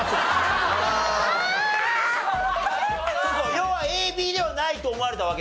要はＡＢではないと思われたわけですよね。